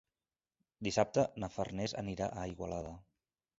Dissabte na Farners anirà a Igualada.